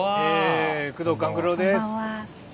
宮藤官九郎です。